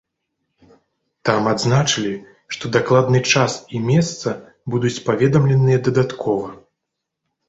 Там адзначылі, што дакладны час і месца будуць паведамленыя дадаткова.